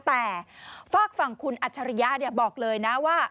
แต่ฝากฝั่งคุณอัจฉริยะบอกเลยนะว่า